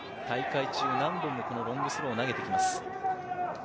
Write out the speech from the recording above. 大会中、何本もロングスローを投げてきます。